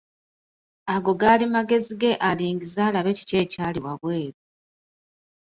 Ago gaali magezi ge alingize alabe kiki ekyali wabweru.